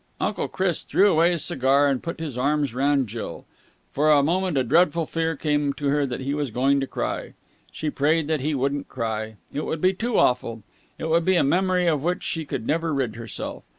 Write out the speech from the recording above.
Uncle Chris threw away his cigar, and put his arms round Jill. For a moment a dreadful fear came to her that he was going to cry. She prayed that he wouldn't cry. It would be too awful. It would be a memory of which she could never rid herself.